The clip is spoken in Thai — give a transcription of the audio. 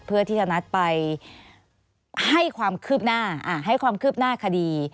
เพื่อที่จะนัดไปให้ความคืบหน้าคดี